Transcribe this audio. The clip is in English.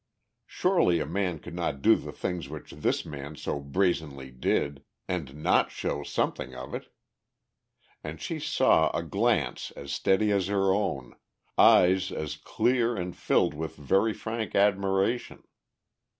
Surely a man could not do the things which this man so brazenly did, and not show something of it! And she saw a glance as steady as her own, eyes as clear and filled with a very frank admiration.